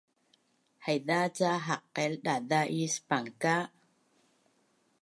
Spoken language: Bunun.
Haiza ca haqail daza’is pangka’?